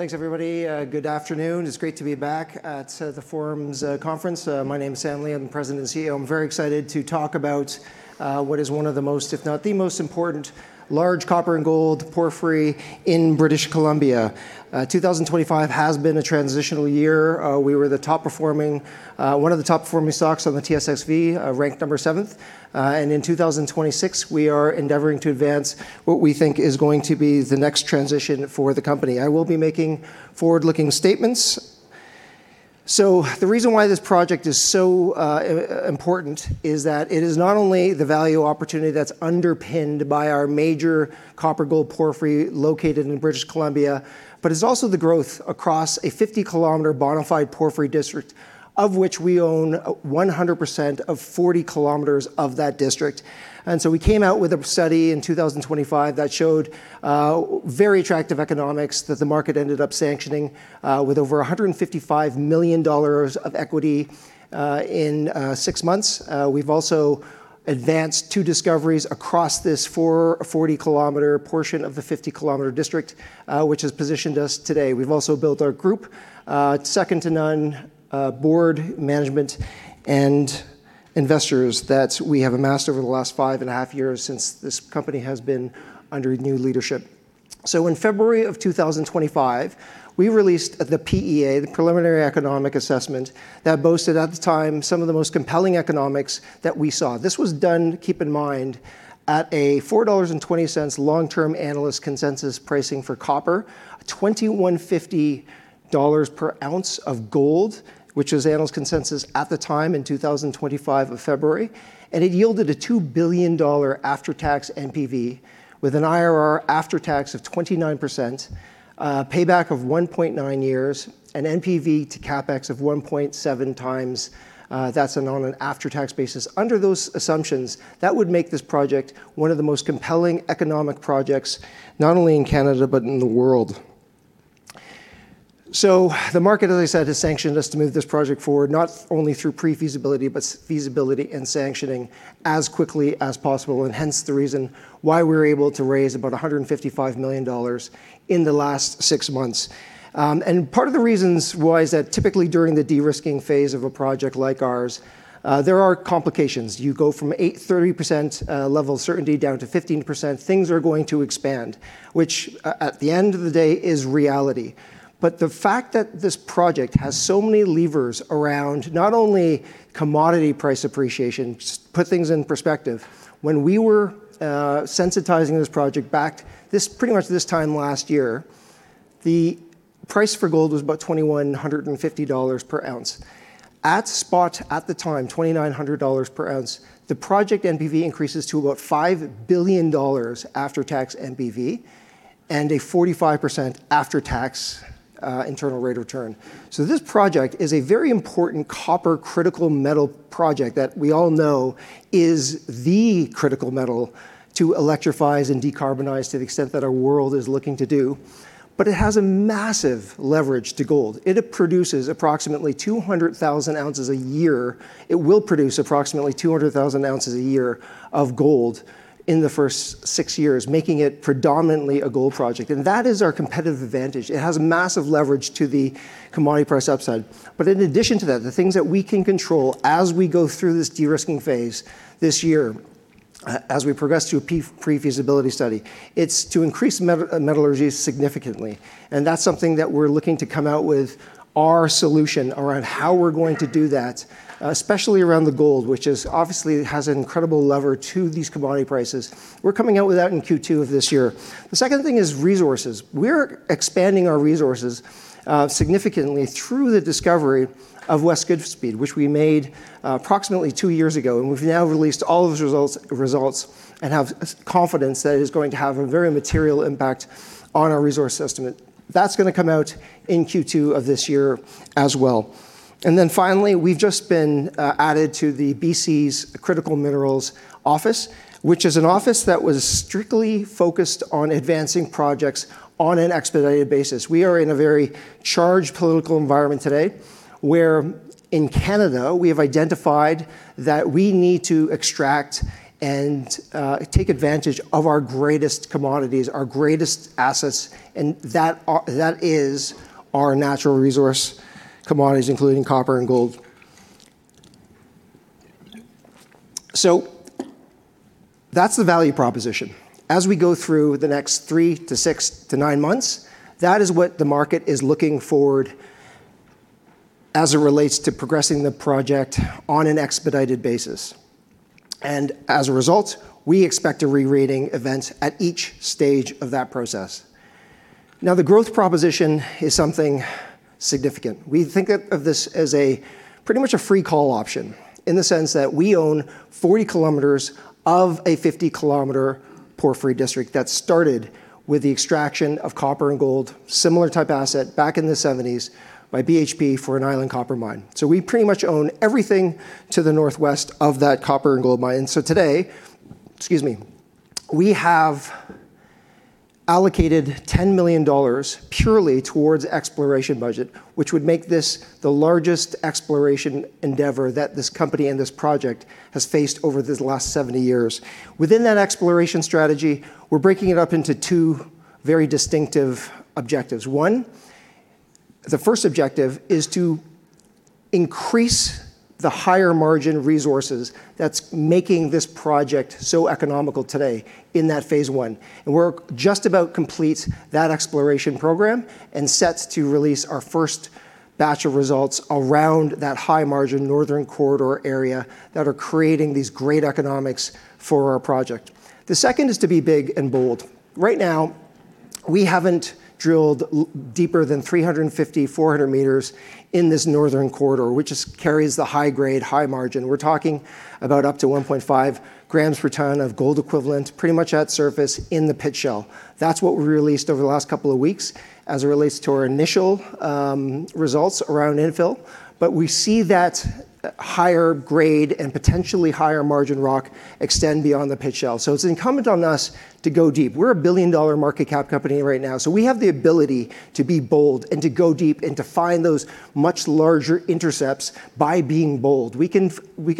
Thanks, everybody. Good afternoon. It's great to be back at The Forum's conference. My name is Sam Lee. I'm the President and CEO. I'm very excited to talk about what is one of the most, if not the most important large copper and gold porphyry in British Columbia. 2025 has been a transitional year. We were one of the top performing stocks on the TSXV, ranked number seventh. In 2026, we are endeavoring to advance what we think is going to be the next transition for the company. I will be making forward-looking statements. The reason why this project is so important is that it is not only the value opportunity that's underpinned by our major copper gold porphyry located in British Columbia, but it's also the growth across a 50 km bona fide porphyry district, of which we own 100% of 40 km of that district. We came out with a study in 2025 that showed very attractive economics that the market ended up sanctioning with over 155 million dollars of equity in six months. We've also advanced two discoveries across this 40 km portion of the 50 km district, which has positioned us today. We've also built our group, second to none board, management, and investors that we have amassed over the last five and a half years since this company has been under new leadership. In February of 2025, we released the PEA, the Preliminary Economic Assessment, that boasted at the time some of the most compelling economics that we saw. This was done, keep in mind, at a 4.20 dollars long-term analyst consensus pricing for copper, 2,150 dollars per ounce of gold, which was analyst consensus at the time in 2025 of February. It yielded a 2 billion dollar after-tax NPV with an IRR after tax of 29%, payback of 1.9 years, and NPV to CapEx of 1.7x. That's on an after-tax basis. Under those assumptions, that would make this project one of the most compelling economic projects, not only in Canada but in the world. The market, as I said, has sanctioned us to move this project forward, not only through pre-feasibility, but feasibility and sanctioning as quickly as possible. Hence the reason why we were able to raise about 155 million dollars in the last six months. Part of the reasons why is that typically during the de-risking phase of a project like ours, there are complications. You go from 30% level of certainty down to 15%. Things are going to expand, which at the end of the day is reality. The fact that this project has so many levers around not only commodity price appreciation, put things in perspective. When we were sensitizing this project back pretty much this time last year, the price for gold was about 2,150 dollars per ounce. At spot at the time, 2,900 dollars per ounce. The project NPV increases to about 5 billion dollars after-tax NPV and a 45% after-tax internal rate of return. This project is a very important copper critical metal project that we all know is the critical metal to electrify and decarbonize to the extent that our world is looking to do. It has a massive leverage to gold. It produces approximately 200,000 ounces a year. It will produce approximately 200,000 oz a year of gold in the first six years, making it predominantly a gold project, and that is our competitive advantage. It has massive leverage to the commodity price upside. In addition to that, the things that we can control as we go through this de-risking phase this year, as we progress through a pre-feasibility study, it's to increase metallurgy significantly. That's something that we're looking to come out with our solution around how we're going to do that, especially around the gold, which obviously has an incredible lever to these commodity prices. We're coming out with that in Q2 of this year. The second thing is resources. We're expanding our resources significantly through the discovery of West Goodspeed, which we made approximately two years ago, and we've now released all of those results and have confidence that it is going to have a very material impact on our resource estimate. That's going to come out in Q2 of this year as well. Finally, we've just been added to the B.C.'s Critical Minerals Office, which is an office that was strictly focused on advancing projects on an expedited basis. We are in a very charged political environment today, where in Canada we have identified that we need to extract and take advantage of our greatest commodities, our greatest assets, and that is our natural resource commodities, including copper and gold. That's the value proposition. As we go through the next three to six to nine months, that is what the market is looking forward as it relates to progressing the project on an expedited basis. As a result, we expect a rerating event at each stage of that process. Now, the growth proposition is something significant. We think of this as a pretty much a free call option in the sense that we own 40 km of a 50 km porphyry district that started with the extraction of copper and gold, similar type asset back in the 1970s by BHP for an Island Copper Mine. We pretty much own everything to the northwest of that copper and gold mine. Today, excuse me, we have allocated 10 million dollars purely towards exploration budget, which would make this the largest exploration endeavor that this company and this project has faced over the last 70 years. Within that exploration strategy, we're breaking it up into two very distinctive objectives. The first objective is to increase the higher-margin resources that's making this project so economical today in that phase I. We're just about complete that exploration program and set to release our first batch of results around that high-margin northern corridor area that are creating these great economics for our project. The second is to be big and bold. Right now, we haven't drilled deeper than 350-400 m in this northern corridor, which carries the high-grade, high-margin. We're talking about up to 1.5 g per ton of gold equivalent, pretty much at surface in the pit shell. That's what we released over the last couple of weeks as it relates to our initial results around infill. We see that higher-grade and potentially higher-margin rock extend beyond the pit shell. It's incumbent on us to go deep. We're a billion-dollar market cap company right now, so we have the ability to be bold and to go deep and to find those much larger intercepts by being bold. We can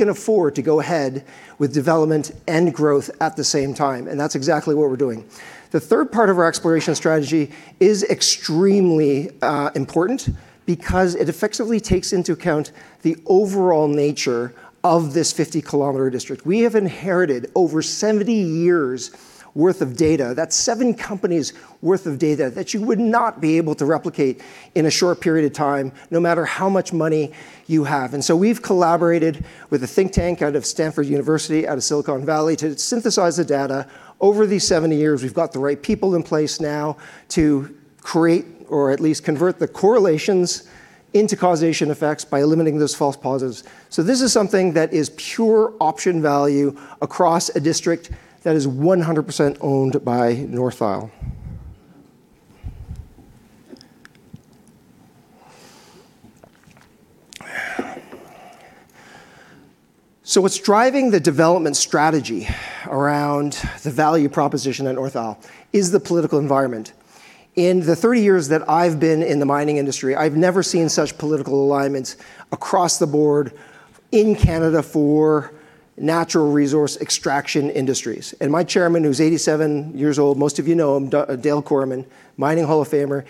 afford to go ahead with development and growth at the same time, and that's exactly what we're doing. The third part of our exploration strategy is extremely important because it effectively takes into account the overall nature of this 50 km district. We have inherited over 70 years' worth of data. That's seven companies' worth of data that you would not be able to replicate in a short period of time, no matter how much money you have. We've collaborated with a think tank out of Stanford University, out of Silicon Valley, to synthesize the data over these 70 years. We've got the right people in place now to create or at least convert the correlations into causation effects by eliminating those false positives. This is something that is pure option value across a district that is 100% owned by NorthIsle. What's driving the development strategy around the value proposition at NorthIsle is the political environment. In the 30 years that I've been in the mining industry, I've never seen such political alignment across the board in Canada for natural resource extraction industries. My Chairman, who's 87 years old, most of you know him, Dale Corman, Mining Hall of Famer.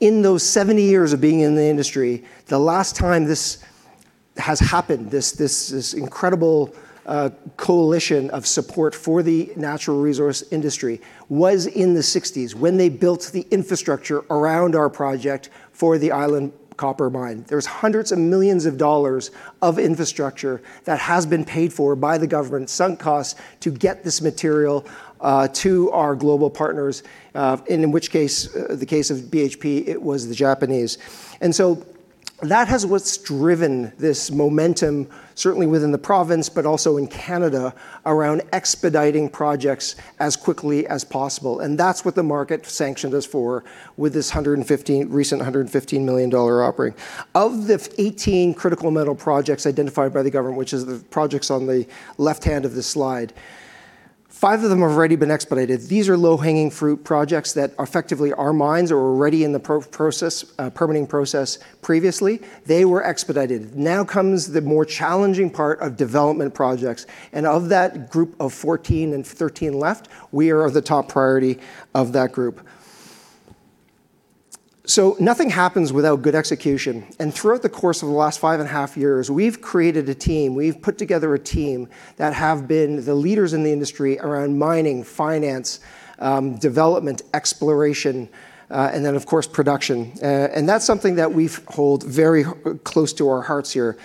In those 70 years of being in the industry, the last time this has happened, this incredible coalition of support for the natural resource industry, was in the 1960s when they built the infrastructure around our project for the Island Copper Mine. There's hundreds of millions of dollars of infrastructure that has been paid for by the government, sunk costs, to get this material to our global partners, in which case, the case of BHP, it was the Japanese. That is what's driven this momentum, certainly within the province, but also in Canada, around expediting projects as quickly as possible. That's what the market sanctioned us for with this recent 115 million dollar offering. Of the 18 critical metal projects identified by the government, which is the projects on the left-hand of this slide, five of them have already been expedited. These are low-hanging fruit projects that effectively are mines that were already in the permitting process previously. They were expedited. Now comes the more challenging part of development projects. Of that group 14 and 13 left, we are the top priority of that group. Nothing happens without good execution. Throughout the course of the last five and a half years, we've put together a team that have been the leaders in the industry around mining, finance, development, exploration, and then, of course, production. That's something that we hold very close to our hearts here.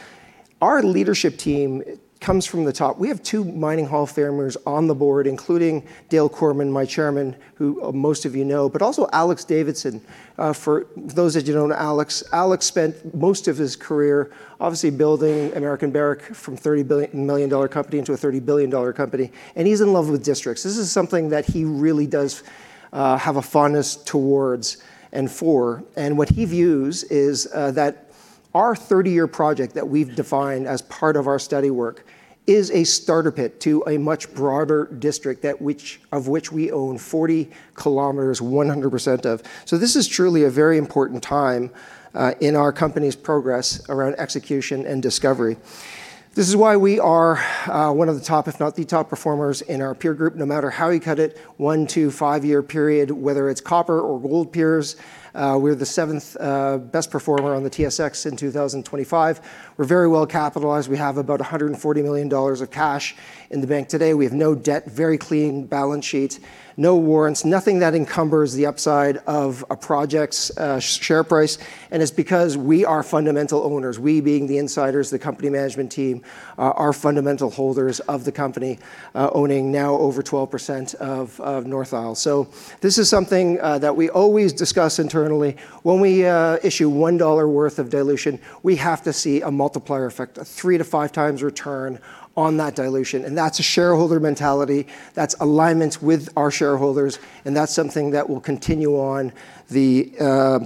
Our leadership team comes from the top. We have two Mining Hall of Famers on the board, including Dale Corman, my Chairman, who most of you know, but also Alex Davidson. For those that don't know Alex spent most of his career obviously building American Barrick from a 30 million dollar company into a 30 billion dollar company. He's in love with districts. This is something that he really does have a fondness towards and for. What he views is that our 30-year project that we've defined as part of our study work is a starter pit to a much broader district, of which we own 40 km, 100% of. This is truly a very important time in our company's progress around execution and discovery. This is why we are one of the top, if not the top, performers in our peer group, no matter how you cut it, one to five-year period, whether it's copper or gold peers. We're the seventh best performer on the TSX in 2025. We're very well capitalized. We have about 140 million dollars of cash in the bank today. We have no debt, very clean balance sheet, no warrants, nothing that encumbers the upside of a project's share price. It's because we are fundamental owners. We being the insiders, the company management team, are fundamental holders of the company, owning now over 12% of NorthIsle. This is something that we always discuss internally. When we issue 1 dollar worth of dilution, we have to see a multiplier effect, a three to five times return on that dilution, and that's a shareholder mentality. That's alignment with our shareholders, and that's something that will continue on the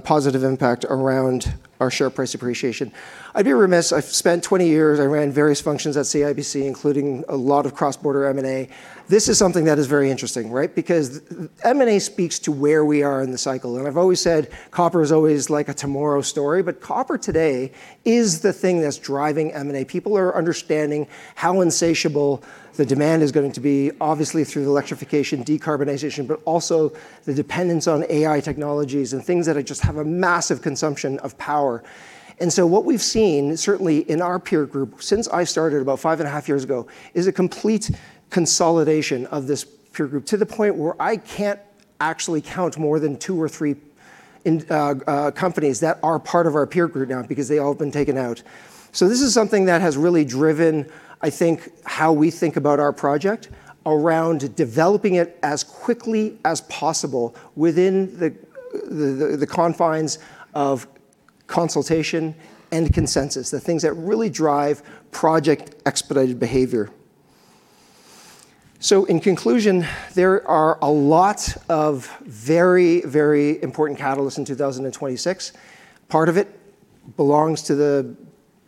positive impact around our share price appreciation. I've spent 20 years, I ran various functions at CIBC, including a lot of cross-border M&A. This is something that is very interesting, right, because M&A speaks to where we are in the cycle. I've always said copper is always like a tomorrow story, but copper today is the thing that's driving M&A. People are understanding how insatiable the demand is going to be, obviously through the electrification, decarbonization, but also the dependence on AI technologies and things that just have a massive consumption of power. What we've seen, certainly in our peer group since I started about five and a half years ago, is a complete consolidation of this peer group to the point where I can't actually count more than two or three companies that are part of our peer group now because they all have been taken out. This is something that has really driven, I think, how we think about our project around developing it as quickly as possible within the confines of consultation and consensus, the things that really drive project expedited behavior. In conclusion, there are a lot of very, very important catalysts in 2026. Part of it belongs to the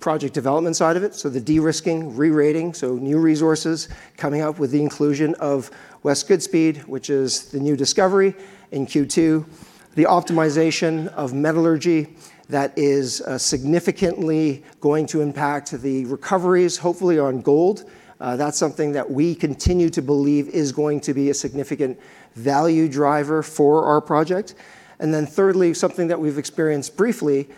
project development side of it, so the de-risking, re-rating, so new resources coming up with the inclusion of West Goodspeed, which is the new discovery in Q2. The optimization of metallurgy that is significantly going to impact the recoveries, hopefully on gold. That's something that we continue to believe is going to be a significant value driver for our project. Thirdly, something that we've experienced briefly,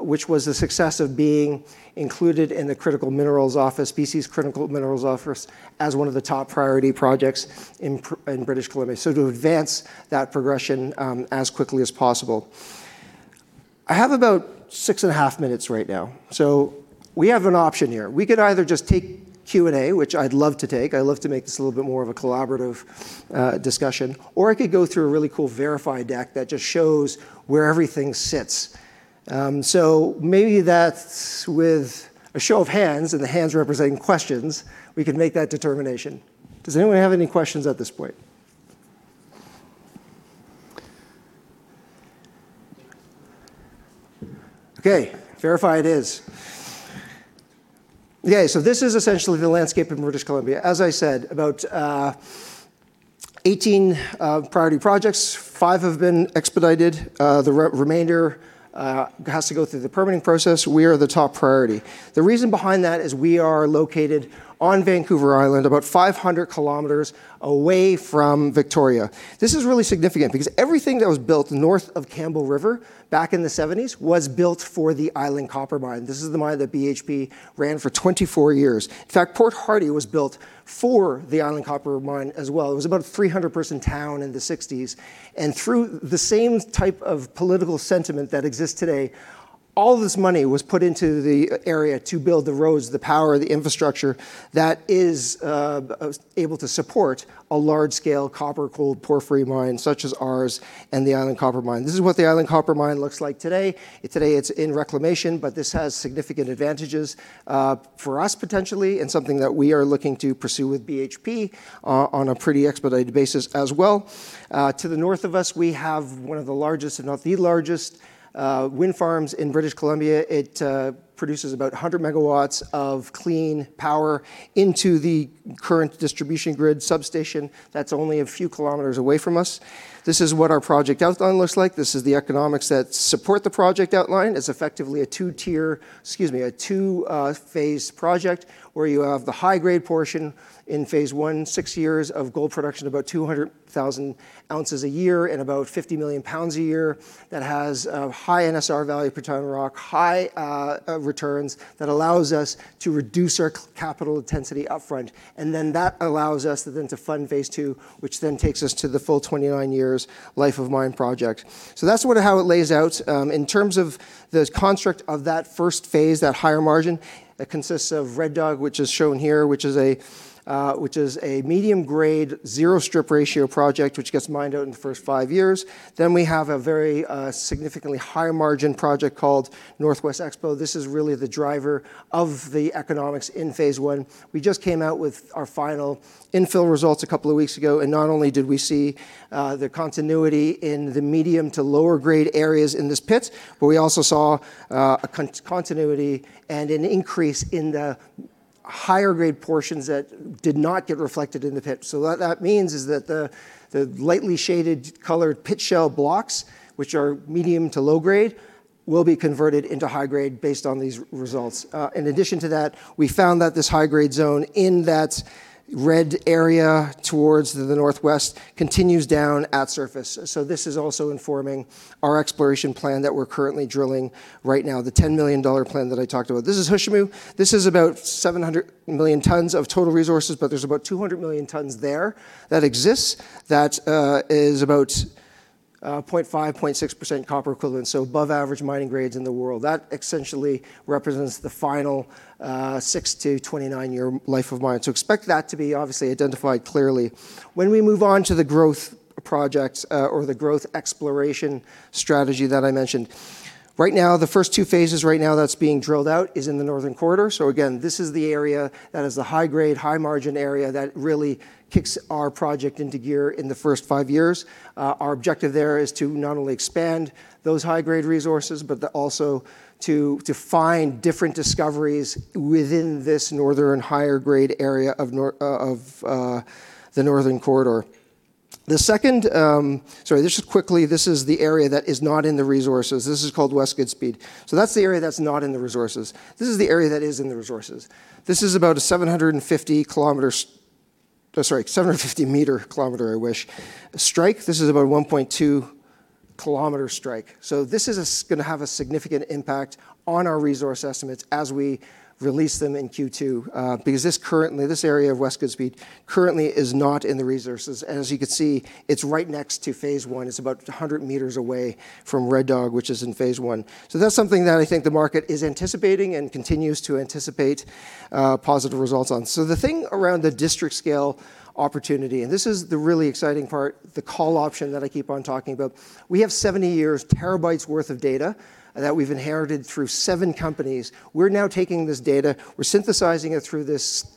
which was the success of being included in the B.C. Critical Minerals Strategy as one of the top priority projects in British Columbia to advance that progression as quickly as possible. I have about six and a half minutes right now. We have an option here. We could either just take Q&A, which I'd love to take. I'd love to make this a little bit more of a collaborative discussion. I could go through a really cool VRIFY deck that just shows where everything sits. Maybe that's with a show of hands and the hands representing questions, we can make that determination. Does anyone have any questions at this point? Okay, VRIFY it is. This is essentially the landscape in British Columbia. As I said, about 18 priority projects, five have been expedited. The remainder has to go through the permitting process. We are the top priority. The reason behind that is we are located on Vancouver Island, about 500 km away from Victoria. This is really significant because everything that was built north of Campbell River back in the 1970s was built for the Island Copper Mine. This is the mine that BHP ran for 24 years. In fact, Port Hardy was built for the Island Copper Mine as well. It was about a 300-person town in the 1960s. Through the same type of political sentiment that exists today, all this money was put into the area to build the roads, the power, the infrastructure that is able to support a large-scale copper-gold porphyry mine such as ours and the Island Copper Mine. This is what the Island Copper Mine looks like today. Today it's in reclamation, but this has significant advantages for us potentially and something that we are looking to pursue with BHP on a pretty expedited basis as well. To the north of us, we have one of the largest, if not the largest, wind farms in British Columbia. It produces about 100 MW of clean power into the current distribution grid substation that's only a few kilometers away from us. This is what our project outline looks like. This is the economics that support the project outline. It's effectively a two-phase project where you have the high-grade portion in phase I, six years of gold production, about 200,000 oz a year and about 50 million lbs a year. That has a high NSR value per ton of rock, high returns that allows us to reduce our capital intensity up front. That allows us then to fund phase II, which then takes us to the full 29 years life of mine project. That's sort of how it lays out. In terms of the construct of that first phase, that higher margin, that consists of Red Dog, which is shown here, which is a medium-grade zero strip ratio project, which gets mined out in the first five years. We have a very significantly higher margin project called Northwest Expo. This is really the driver of the economics in phase I. We just came out with our final infill results a couple of weeks ago, and not only did we see the continuity in the medium to lower grade areas in this pit, but we also saw a continuity and an increase in the higher grade portions that did not get reflected in the pit. What that means is that the lightly shaded colored pit shell blocks, which are medium to low grade, will be converted into high grade based on these results. In addition to that, we found that this high-grade zone in that red area towards the northwest continues down at surface. This is also informing our exploration plan that we're currently drilling right now, the 10 million dollar plan that I talked about. This is Hushamu. This is about 700 million tons of total resources, but there's about 200 million tons there that exists. That is about 0.5%-0.6% copper equivalent, so above-average mining grades in the world. That essentially represents the final six to 29-year life of mine. Expect that to be obviously identified clearly. When we move on to the growth projects or the growth exploration strategy that I mentioned, right now, the first two phases right now that's being drilled out is in the Northern Corridor. Again, this is the area that is the high-grade, high-margin area that really kicks our project into gear in the first five years. Our objective there is to not only expand those high-grade resources, but also to find different discoveries within this northern higher-grade area of the Northern Corridor. Sorry, just quickly, this is the area that is not in the resources. This is called West Goodspeed. That's the area that's not in the resources. This is the area that is in the resources. This is about a 750 m, kilometer, I wish, strike. This is about 1.2 km strike. This is going to have a significant impact on our resource estimates as we release them in Q2, because this area of West Goodspeed currently is not in the resources. As you can see, it's right next to phase I. It's about 100 m away from Red Dog, which is in phase I. That's something that I think the market is anticipating and continues to anticipate positive results on. The thing around the district scale opportunity, and this is the really exciting part, the call option that I keep on talking about. We have 70 years, terabytes worth of data that we've inherited through seven companies. We're now taking this data, we're synthesizing it through this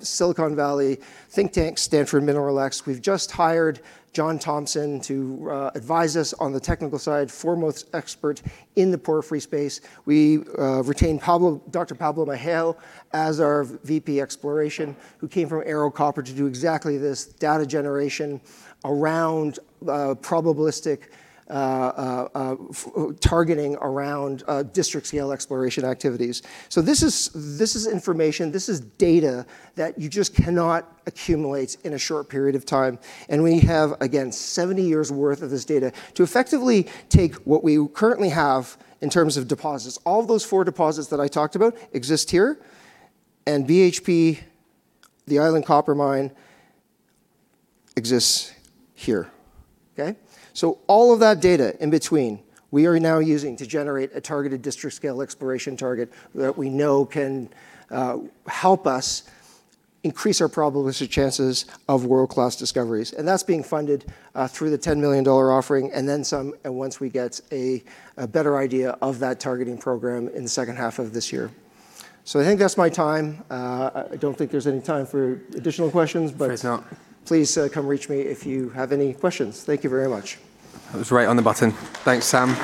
Silicon Valley think tank, Stanford Mineral-X. We've just hired John Thompson to advise us on the technical side, foremost expert in the porphyry space. We retained Dr. Pablo Mejia as our VP Exploration, who came from Ero Copper to do exactly this, data generation around probabilistic targeting around district-scale exploration activities. This is information, this is data that you just cannot accumulate in a short period of time. We have, again, 70 years worth of this data to effectively take what we currently have in terms of deposits. All of those four deposits that I talked about exist here, and BHP, the Island Copper Mine, exists here. Okay? All of that data in between, we are now using to generate a targeted district-scale exploration target that we know can help us increase our probabilistic chances of world-class discoveries. That's being funded through the 10 million dollar offering and then some once we get a better idea of that targeting program in the H2 of this year. I think that's my time. I don't think there's any time for additional questions. There's not. Please come reach me if you have any questions. Thank you very much. That was right on the button. Thanks, Sam.